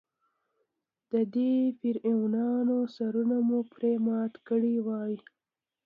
د دې فرعونانو سرونه مو پرې مات کړي وای.